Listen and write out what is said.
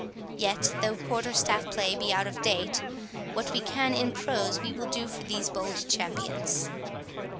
Yet, though quarter staff play be out of date, what we can in prose we will do for these bold champions.